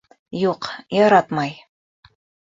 Юҡ, яратмай.